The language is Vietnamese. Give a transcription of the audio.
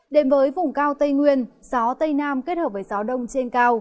đến với vùng cao tây nguyên gió tây nam kết hợp với gió đông trên cao